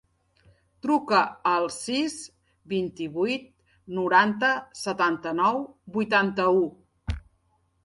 Truca al sis, vint-i-vuit, noranta, setanta-nou, vuitanta-u.